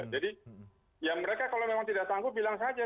jadi ya mereka kalau memang tidak sanggup bilang saja